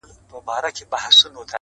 سوله كوم خو زما دوه شرطه به حتمآ منې!!